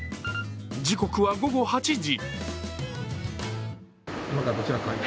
時刻は午後８時。